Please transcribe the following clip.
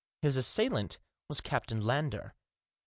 His assailant was Captain Lander.